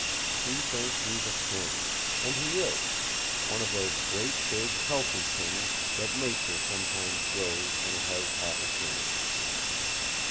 She thinks he's a king. And he is one of those great, big, healthy kings that nature sometimes grows when it has half a chance.